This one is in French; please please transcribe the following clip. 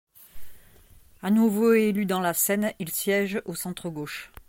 À nouveau élu dans la Seine, il siège au centre-gauche.